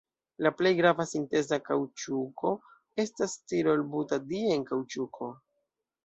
La plej grava sinteza kaŭĉuko estas stirol-butadien-kaŭĉuko.